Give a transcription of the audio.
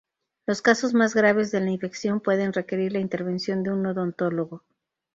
Los casos más graves de la infección pueden requerir la intervención de un odontólogo.